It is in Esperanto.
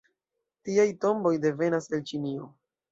Tiaj tomboj devenas el Ĉinio.